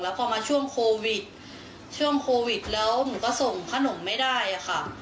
พอมาช่วงโควิดช่วงโควิดแล้วหนูก็ส่งขนมไม่ได้ค่ะ